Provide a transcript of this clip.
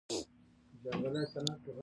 د مهاجرینو کمپونو ته ورسره ولاړم.